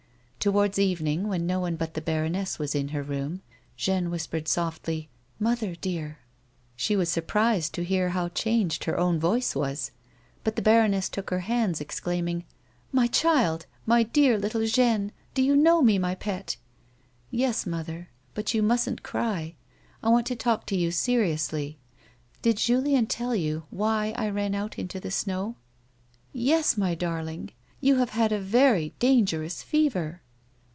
Towards evening, when no one but the baroness was in her room, Jeanne whispered softly :" Mother, dear !" She was surprised to hear how changed her own voice was, but the baroness took her hands, exclaiming :" My child ! my dear little Jeanne ! Do you know me, my pet 1 "" Yes, mother. But you mustn't cry ; I want to talk to you seriously. Did Julien tell you why I ran out into the snow 1 "" Yes, my darling. You have had a very dangerous fever."